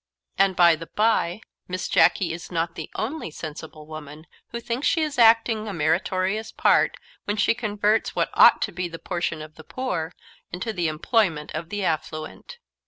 And, by the bye, Miss Jacky is not the only sensible woman who thinks she is acting a meritorious part when she converts what ought to be the portion of the poor into the employment of the affluent.